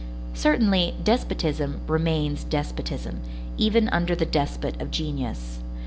Certainly, despotism remains despotism, even under the despot of genius.